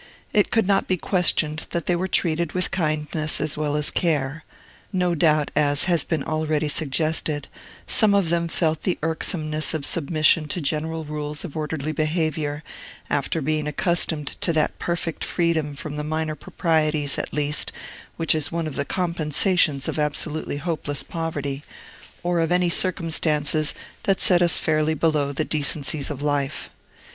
It could not be questioned that they were treated with kindness as well as care. No doubt, as has been already suggested, some of them felt the irksomeness of submission to general rules of orderly behavior, after being accustomed to that perfect freedom from the minor proprieties, at least, which is one of the compensations of absolutely hopeless poverty, or of any circumstances that set us fairly below the decencies of life.